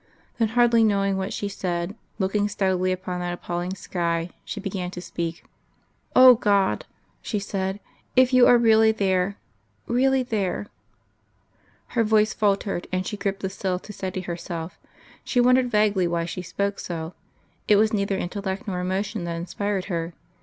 Then, hardly knowing what she said, looking steadily upon that appalling sky, she began to speak.... "O God!" she said. "If You are really there really there " Her voice faltered, and she gripped the sill to steady herself. She wondered vaguely why she spoke so; it was neither intellect nor emotion that inspired her.